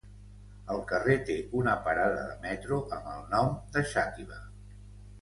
El carrer té una parada de metro amb el nom de Xàtiva.